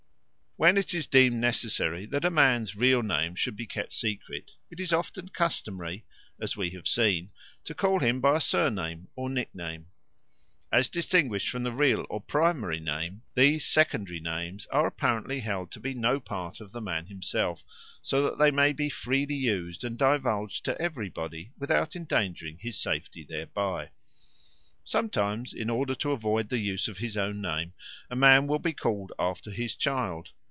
When it is deemed necessary that a man's real name should be kept secret, it is often customary, as we have seen, to call him by a surname or nickname. As distinguished from the real or primary names, these secondary names are apparently held to be no part of the man himself, so that they may be freely used and divulged to everybody without endangering his safety thereby. Sometimes in order to avoid the use of his own name a man will be called after his child.